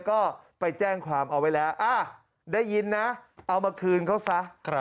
ก็ไปแจ้งความเอาไว้แล้วได้ยินนะเอามาคืนเขาซะ